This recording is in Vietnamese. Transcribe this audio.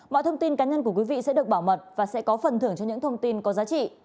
mọi thông tin cá nhân của quý vị sẽ được bảo mật và sẽ có phần thưởng cho những thông tin có giá trị